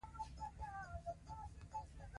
سپین ږیرو وویل چې ملالۍ نورزۍ وه.